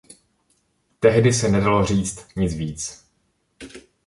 Tehdy se nedalo říct nic víc.